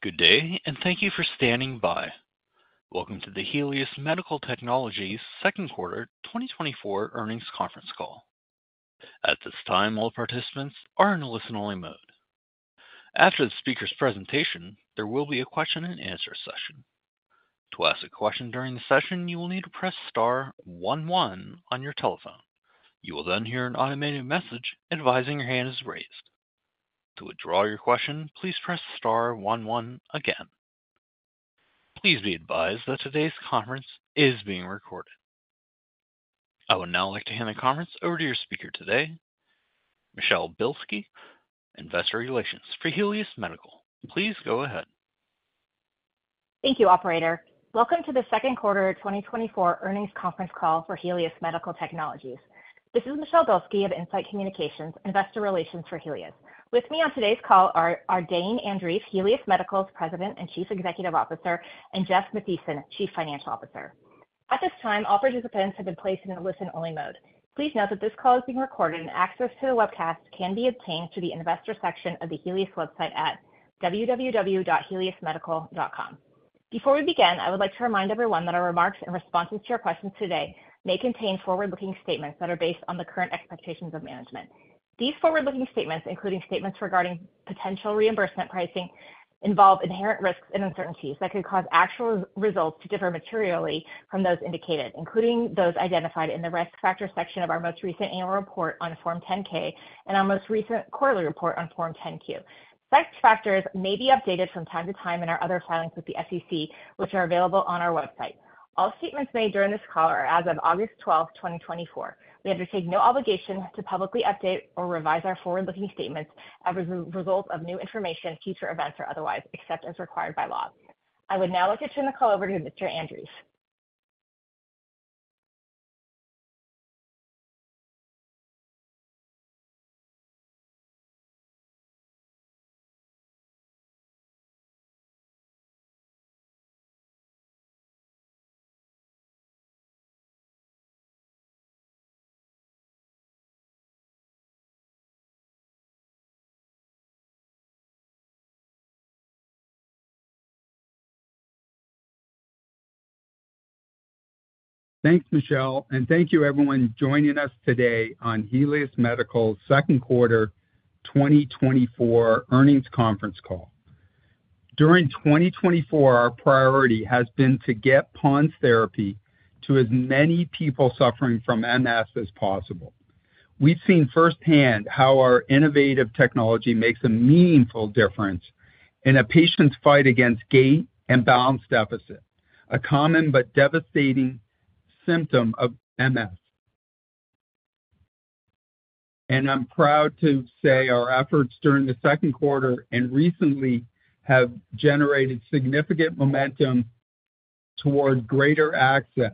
Good day, and thank you for standing by. Welcome to the Helius Medical Technologies second quarter 2024 earnings conference call. At this time, all participants are in a listen-only mode. After the speaker's presentation, there will be a question-and-answer session. To ask a question during the session, you will need to press star one one on your telephone. You will then hear an automated message advising your hand is raised. To withdraw your question, please press star one one again. Please be advised that today's conference is being recorded. I would now like to hand the conference over to your speaker today, Michelle Bilski, Investor Relations for Helius Medical. Please go ahead. Thank you, operator. Welcome to the second quarter 2024 earnings conference call for Helius Medical Technologies. This is Michelle Bilski of In-Site Communications, Investor Relations for Helius. With me on today's call are Dane Andreeff, Helius Medical's President and Chief Executive Officer, and Jeffrey Mathiesen, Chief Financial Officer. At this time, all participants have been placed in a listen-only mode. Please note that this call is being recorded and access to the webcast can be obtained through the investor section of the Helius website at www.heliusmedical.com. Before we begin, I would like to remind everyone that our remarks and responses to your questions today may contain forward-looking statements that are based on the current expectations of management. These forward-looking statements, including statements regarding potential reimbursement pricing, involve inherent risks and uncertainties that could cause actual results to differ materially from those indicated, including those identified in the Risk Factors section of our most recent annual report on Form 10-K and our most recent quarterly report on Form 10-Q. Such factors may be updated from time to time in our other filings with the SEC, which are available on our website. All statements made during this call are as of August 12, 2024. We undertake no obligation to publicly update or revise our forward-looking statements as a result of new information, future events, or otherwise, except as required by law. I would now like to turn the call over to Mr. Andreeff. Thanks, Michelle, and thank you, everyone, joining us today on Helius Medical's second quarter 2024 earnings conference call. During 2024, our priority has been to get PoNS Therapy to as many people suffering from MS as possible. We've seen firsthand how our innovative technology makes a meaningful difference in a patient's fight against gait and balance deficit, a common but devastating symptom of MS. I'm proud to say our efforts during the second quarter and recently have generated significant momentum toward greater access.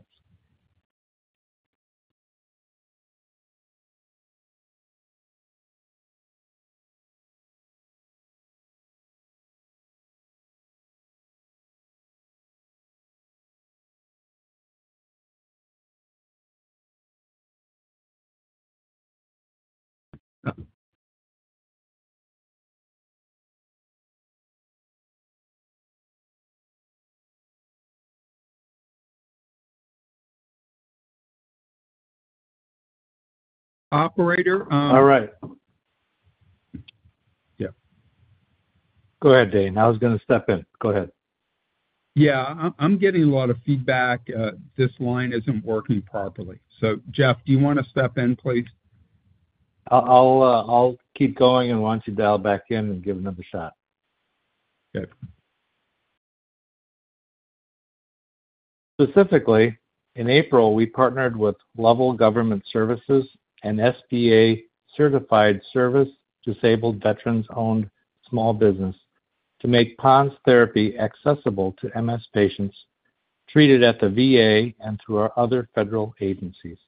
Operator. All right. Yeah. Go ahead, Dane. I was going to step in. Go ahead. Yeah, I'm getting a lot of feedback. This line isn't working properly. So, Jeff, do you want to step in, please? I'll keep going, and why don't you dial back in and give it another shot? Okay. Specifically, in April, we partnered with Lovell Government Services and SBA-certified service-disabled veteran-owned small business to make PoNS Therapy accessible to MS patients treated at the VA and through our other federal agencies.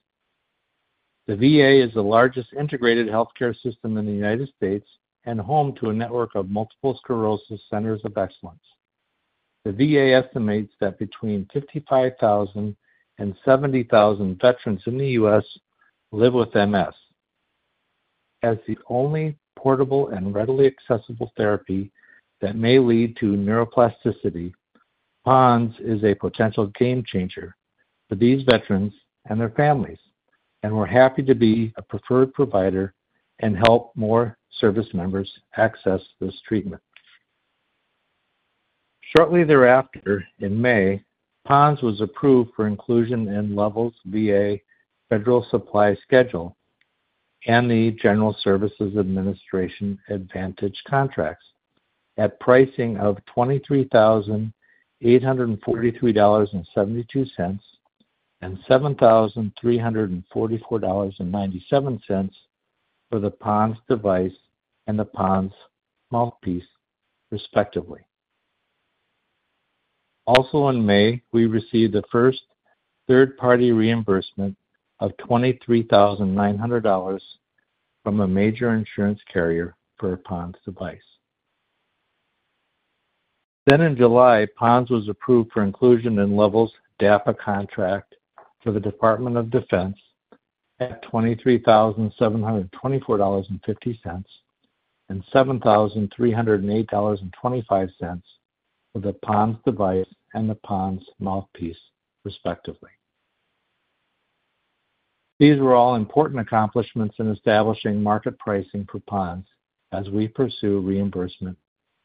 The VA is the largest integrated healthcare system in the United States and home to a network of multiple sclerosis centers of excellence. The VA estimates that between 55,000 and 70,000 veterans in the U.S. live with MS. As the only portable and readily accessible therapy that may lead to neuroplasticity, PoNS is a potential game changer for these veterans and their families, and we're happy to be a preferred provider and help more service members access this treatment. Shortly thereafter, in May, PoNS was approved for inclusion in the VA Federal Supply Schedule and the General Services Administration Advantage contracts at pricing of $23,843.72 and $7,344.97 for the PoNS device and the PoNS mouthpiece, respectively. Also in May, we received the first third-party reimbursement of $23,900 from a major insurance carrier for a PoNS device. Then in July, PoNS was approved for inclusion in the DAPA contract for the Department of Defense at $23,724.50 and $7,308.25 for the PoNS device and the PoNS mouthpiece, respectively. These were all important accomplishments in establishing market pricing for PoNS as we pursue reimbursement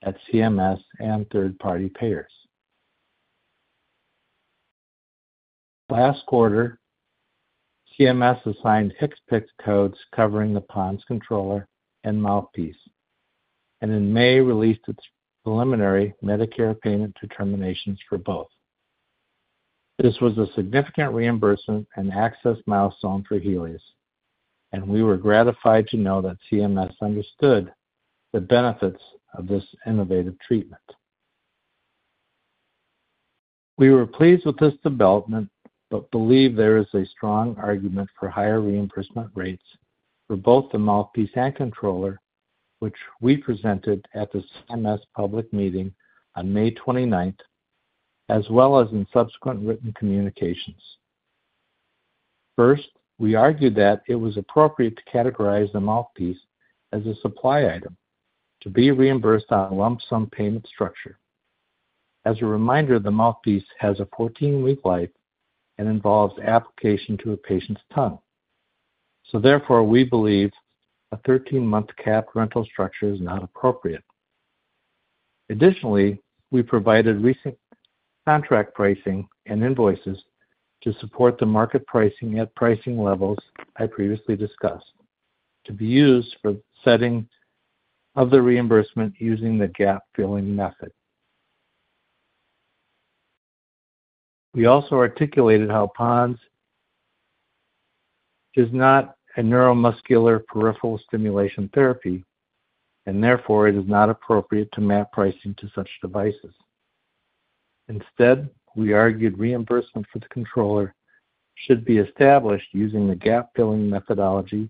at CMS and third-party payers. Last quarter, CMS assigned HCPCS codes covering the PoNS controller and mouthpiece, and in May, released its preliminary Medicare payment determinations for both. This was a significant reimbursement and access milestone for Helius, and we were gratified to know that CMS understood the benefits of this innovative treatment. We were pleased with this development, but believe there is a strong argument for higher reimbursement rates for both the mouthpiece and controller, which we presented at the CMS public meeting on May 29, as well as in subsequent written communications. First, we argued that it was appropriate to categorize the mouthpiece as a supply item to be reimbursed on a lump sum payment structure. As a reminder, the mouthpiece has a 14-week life and involves application to a patient's tongue. So therefore, we believe a 13-month cap rental structure is not appropriate. Additionally, we provided recent contract pricing and invoices to support the market pricing at pricing levels I previously discussed, to be used for setting of the reimbursement using the gap-filling method. We also articulated how PoNS is not a neuromuscular peripheral stimulation therapy, and therefore it is not appropriate to map pricing to such devices. Instead, we argued reimbursement for the controller should be established using the gap-filling methodology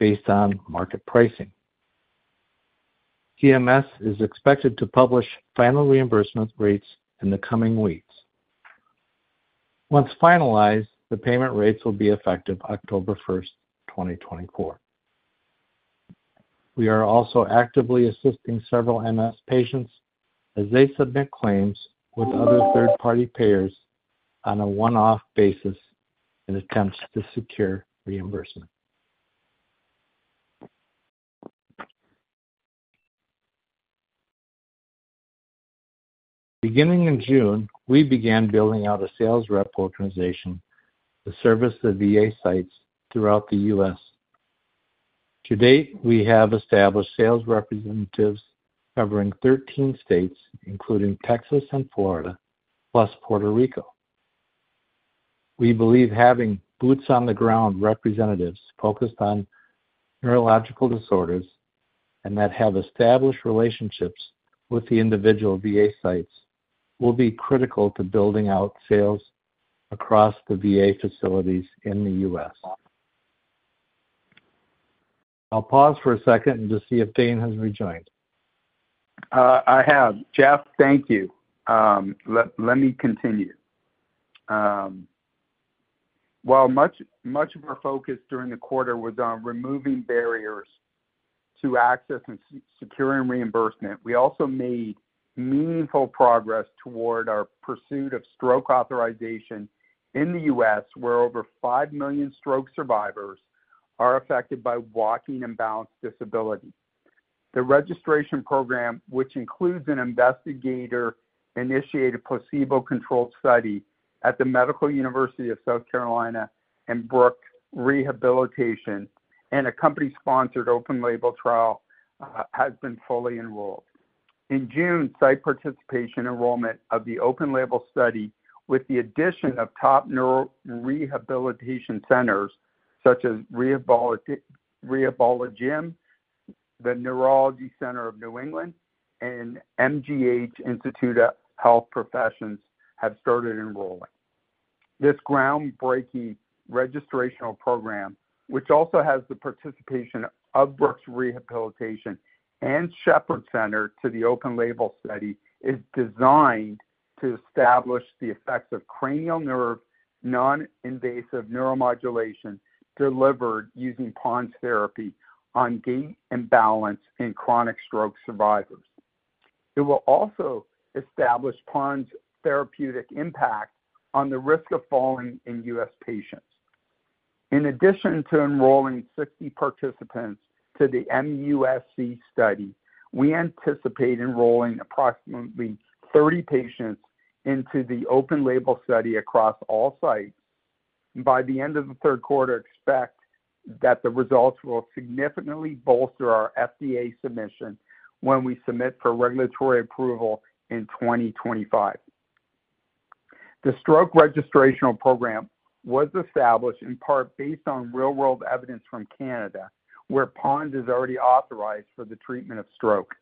based on market pricing. CMS is expected to publish final reimbursement rates in the coming weeks. Once finalized, the payment rates will be effective October 1, 2024. We are also actively assisting several MS patients as they submit claims with other third-party payers on a one-off basis in attempts to secure reimbursement. Beginning in June, we began building out a sales rep organization to service the VA sites throughout the U.S. To date, we have established sales representatives covering 13 states, including Texas and Florida, plus Puerto Rico. We believe having boots-on-the-ground representatives focused on neurological disorders and that have established relationships with the individual VA sites, will be critical to building out sales across the VA facilities in the U.S. I'll pause for a second and just see if Dane has rejoined. I have. Jeff, thank you. Let me continue. While much, much of our focus during the quarter was on removing barriers to access and securing reimbursement, we also made meaningful progress toward our pursuit of stroke authorization in the U.S., where over 5 million stroke survivors are affected by walking imbalance disability. The registration program, which includes an investigator-initiated, placebo-controlled study at the Medical University of South Carolina and Brooks Rehabilitation, and a company-sponsored open label trial, has been fully enrolled. In June, site participation enrollment of the open label study, with the addition of top neuro rehabilitation centers such as Rehabologem, the Neurology Center of New England, and MGH Institute of Health Professions, have started enrolling. This groundbreaking registrational program, which also has the participation of Brooks Rehabilitation and Shepherd Center to the open label study, is designed to establish the effects of cranial nerve non-invasive neuromodulation, delivered using PoNS therapy on gait and balance in chronic stroke survivors. It will also establish PoNS therapeutic impact on the risk of falling in US patients. In addition to enrolling 60 participants to the MUSC study, we anticipate enrolling approximately 30 patients into the open label study across all sites. By the end of the third quarter, expect that the results will significantly bolster our FDA submission when we submit for regulatory approval in 2025. The stroke registrational program was established in part, based on real-world evidence from Canada, where PoNS is already authorized for the treatment of stroke.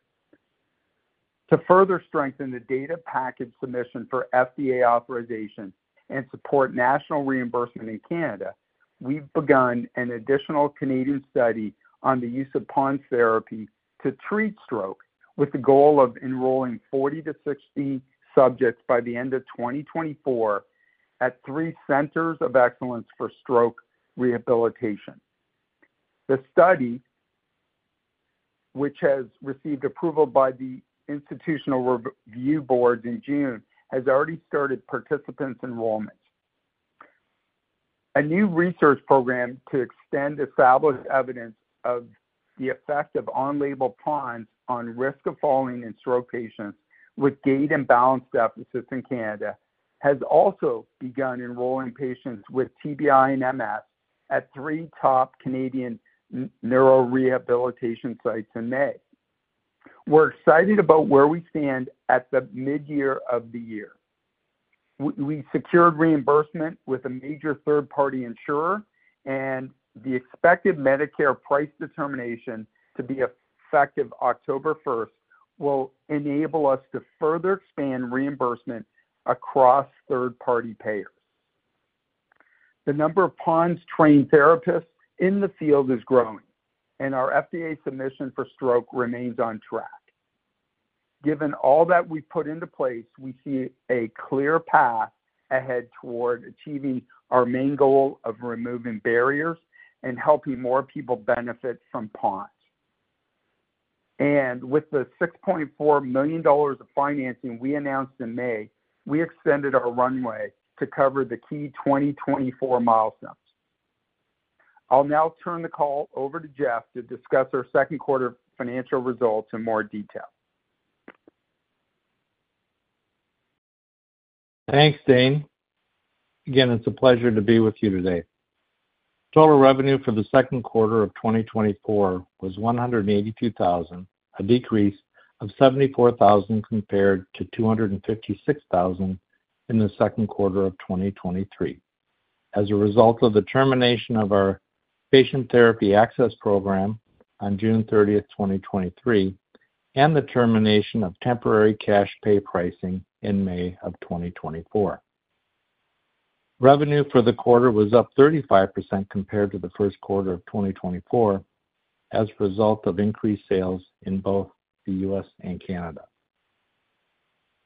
To further strengthen the data package submission for FDA authorization and support national reimbursement in Canada, we've begun an additional Canadian study on the use of PoNS therapy to treat stroke, with the goal of enrolling 40-60 subjects by the end of 2024 at three centers of excellence for stroke rehabilitation. The study, which has received approval by the Institutional Review Board in June, has already started participants' enrollment. A new research program to extend established evidence of the effect of on-label PoNS on risk of falling in stroke patients with gait and balance deficits in Canada, has also begun enrolling patients with TBI and MS at three top Canadian neurorehabilitation sites in May. We're excited about where we stand at the midyear of the year. We secured reimbursement with a major third-party insurer, and the expected Medicare price determination to be effective October 1, will enable us to further expand reimbursement across third-party payers. The number of PoNS-trained therapists in the field is growing, and our FDA submission for stroke remains on track. Given all that we've put into place, we see a clear path ahead toward achieving our main goal of removing barriers and helping more people benefit from PoNS. With the $6.4 million of financing we announced in May, we extended our runway to cover the key 2024 milestones. I'll now turn the call over to Jeff to discuss our second quarter financial results in more detail. Thanks, Dane. Again, it's a pleasure to be with you today. Total revenue for the second quarter of 2024 was $182,000, a decrease of $74,000 compared to $256,000 in the second quarter of 2023, as a result of the termination of our patient therapy access program on June 30, 2023, and the termination of temporary cash pay pricing in May 2024. Revenue for the quarter was up 35% compared to the first quarter of 2024, as a result of increased sales in both the U.S. and Canada.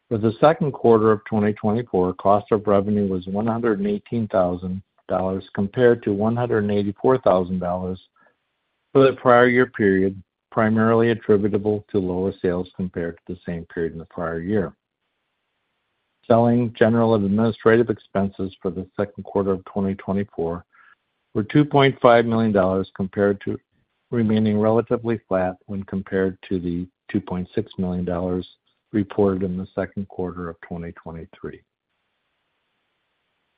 For the second quarter of 2024, cost of revenue was $118,000 compared to $184,000 for the prior year period, primarily attributable to lower sales compared to the same period in the prior year. Selling, general, and administrative expenses for the second quarter of 2024 were $2.5 million compared to remaining relatively flat when compared to the $2.6 million reported in the second quarter of 2023.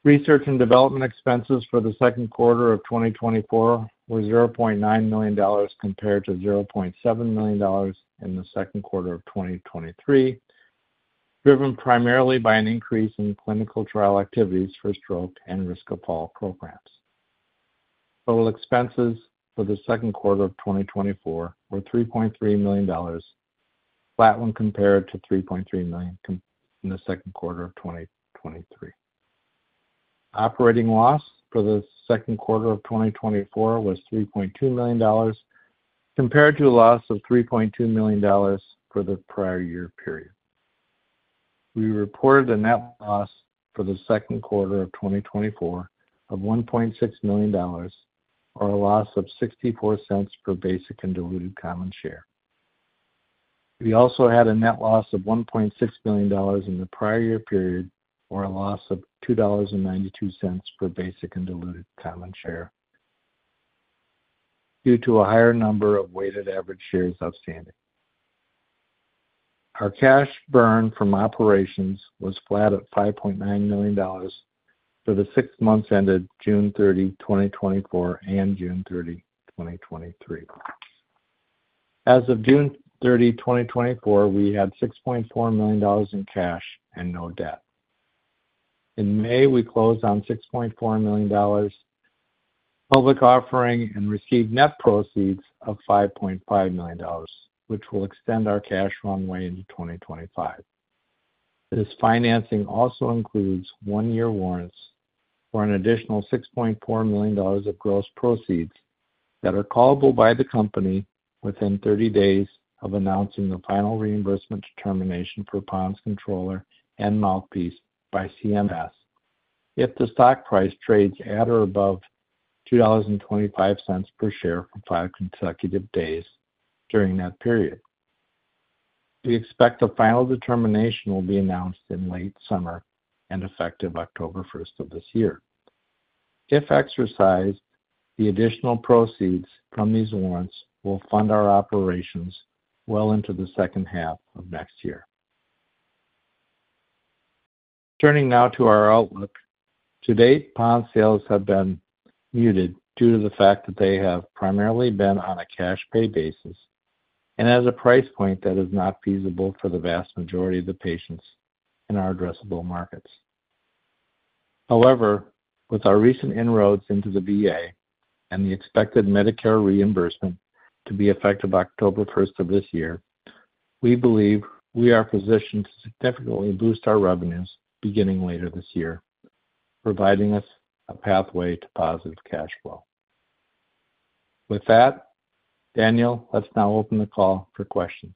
Research and development expenses for the second quarter of 2024 were $0.9 million compared to $0.7 million in the second quarter of 2023, driven primarily by an increase in clinical trial activities for stroke and Risk of Fall programs. Total expenses for the second quarter of 2024 were $3.3 million, flat when compared to $3.3 million in the second quarter of 2023. Operating loss for the second quarter of 2024 was $3.2 million, compared to a loss of $3.2 million for the prior year period. We reported a net loss for the second quarter of 2024 of $1.6 million, or a loss of $0.64 per basic and diluted common share. We also had a net loss of $1.6 million in the prior year period, or a loss of $2.92 per basic and diluted common share, due to a higher number of weighted average shares outstanding. Our cash burn from operations was flat at $5.9 million for the six months ended June 30, 2024, and June 30, 2023. As of June 30, 2024, we had $6.4 million in cash and no debt. In May, we closed on $6.4 million public offering and received net proceeds of $5.5 million, which will extend our cash runway into 2025. This financing also includes one-year warrants for an additional $6.4 million of gross proceeds that are callable by the company within 30 days of announcing the final reimbursement determination for PoNS controller and mouthpiece by CMS, if the stock price trades at or above $2.25 per share for 5 consecutive days during that period. We expect a final determination will be announced in late summer and effective October 1 of this year. If exercised, the additional proceeds from these warrants will fund our operations well into the second half of next year. Turning now to our outlook. To date, PoNS sales have been muted due to the fact that they have primarily been on a cash pay basis and as a price point that is not feasible for the vast majority of the patients in our addressable markets. However, with our recent inroads into the VA and the expected Medicare reimbursement to be effective October first of this year, we believe we are positioned to significantly boost our revenues beginning later this year, providing us a pathway to positive cash flow. With that, Daniel, let's now open the call for questions.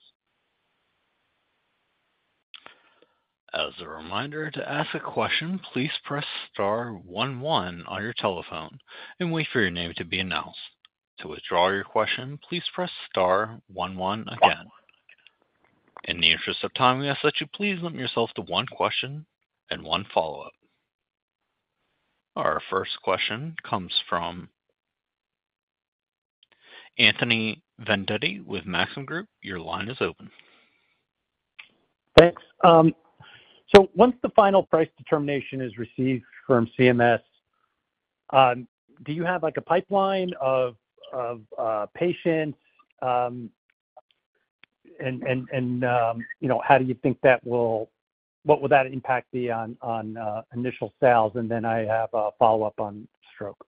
As a reminder, to ask a question, please press star one one on your telephone and wait for your name to be announced. To withdraw your question, please press star one one again. In the interest of time, we ask that you please limit yourself to one question and one follow-up. Our first question comes from Anthony Vendetti with Maxim Group. Your line is open. Thanks. So once the final price determination is received from CMS, do you have, like, a pipeline of patients, and you know, how do you think that will, what will that impact be on initial sales? And then I have a follow-up on stroke.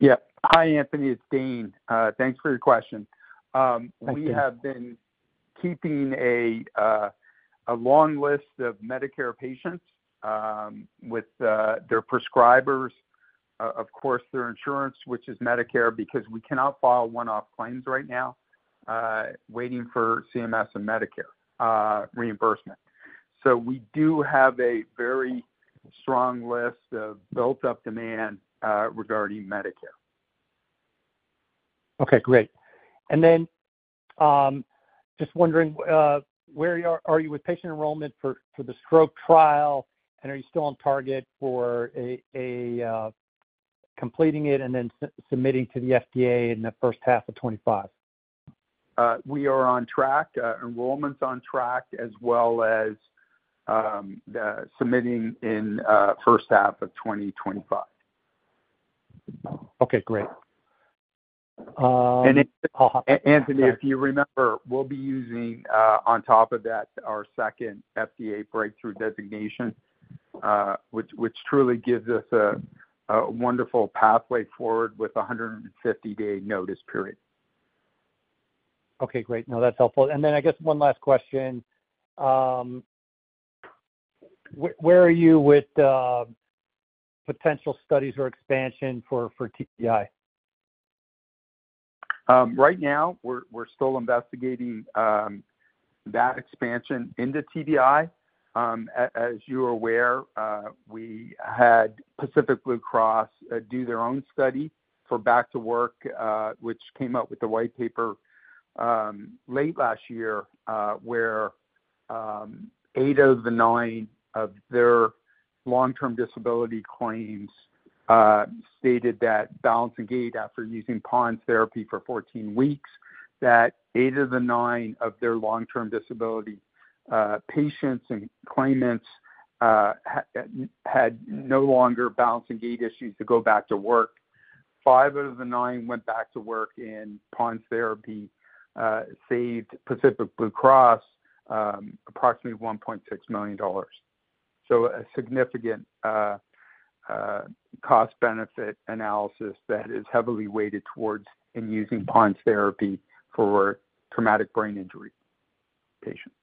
Yeah. Hi, Anthony, it's Dane. Thanks for your question. Thank you. We have been keeping a long list of Medicare patients with their prescribers, of course, their insurance, which is Medicare, because we cannot file one-off claims right now, waiting for CMS and Medicare reimbursement. So we do have a very strong list of built-up demand regarding Medicare. Okay, great. And then, just wondering, where are you with patient enrollment for the stroke trial? And are you still on target for completing it and then submitting to the FDA in the first half of 2025? We are on track. Enrollment's on track as well as the submitting in first half of 2025. Okay, great. Anthony, if you remember, we'll be using, on top of that, our second FDA breakthrough designation, which truly gives us a wonderful pathway forward with a 150-day notice period. Okay, great. No, that's helpful. And then I guess one last question. Where are you with potential studies or expansion for TBI? Right now, we're still investigating that expansion into TBI. As you are aware, we had Pacific Blue Cross do their own study for Back to Work, which came out with the white paper late last year. Where eight of the nine of their long-term disability claims stated that balance and gait, after using PoNS Therapy for 14 weeks, that eight of the nine of their long-term disability patients and claimants had no longer balance and gait issues to go back to work. Five out of the nine went back to work, and PoNS Therapy saved Pacific Blue Cross approximately $1.6 million. So a significant cost-benefit analysis that is heavily weighted towards in using PoNS Therapy for traumatic brain injury patients.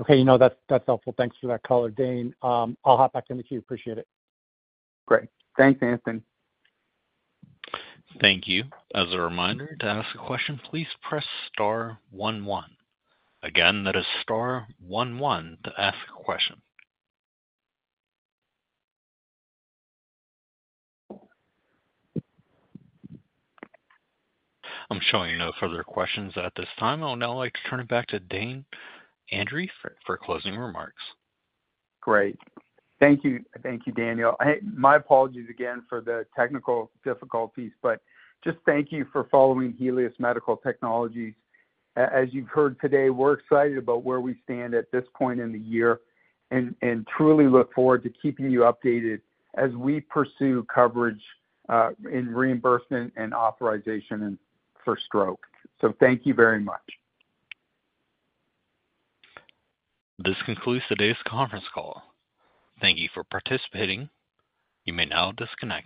Okay, you know, that's, that's helpful. Thanks for that call, Dane. I'll hop back in with you. Appreciate it. Great. Thanks, Anthony. Thank you. As a reminder, to ask a question, please press star one one. Again, that is star one one to ask a question. I'm showing no further questions at this time. I'll now like to turn it back to Dane Andreeff for closing remarks. Great. Thank you. Thank you, Daniel. My apologies again for the technical difficulties, but just thank you for following Helius Medical Technologies. As you've heard today, we're excited about where we stand at this point in the year and truly look forward to keeping you updated as we pursue coverage in reimbursement and authorization for stroke. So thank you very much. This concludes today's conference call. Thank you for participating. You may now disconnect.